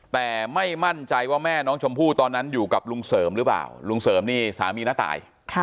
แต่ไม่มั่นใจว่าแม่น้องชมพู่ตอนนั้นอยู่กับลุงเสริมหรือเปล่าลุงเสริมนี่สามีน้าตาย